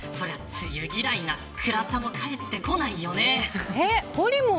梅雨嫌いな倉田も帰ってこないよね。